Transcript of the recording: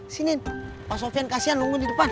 sini pak sopian kasihan lunggun di depan